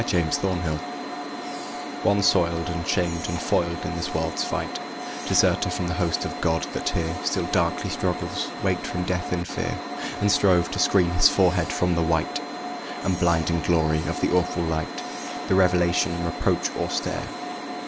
THE IMMORTAL WORD One soiled and shamed and foiled in this world's fight, Deserter from the host of God, that here Still darkly struggles, waked from death in fear, And strove to screen his forehead from the white And blinding glory of the awful Light, The revelation and reproach austere.